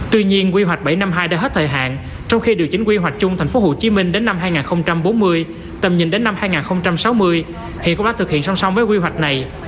tuy nhiên quy hoạch bảy trăm năm mươi hai đã hết thời hạn trong khi điều chỉnh quy hoạch chung tp hcm đến năm hai nghìn bốn mươi tầm nhìn đến năm hai nghìn sáu mươi hiện cũng đã thực hiện song song với quy hoạch này